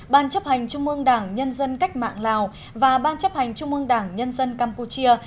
ban chấp hành trung ương đảng nhân dân cách mạng lào và ban chấp hành trung ương đảng nhân dân campuchia